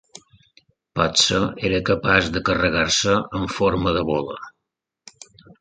Potser era capaç de carregar-se en forma de bola.